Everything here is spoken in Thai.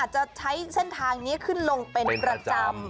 จะใช้เส้นทางนี้ขึ้นลงเป็นประจำ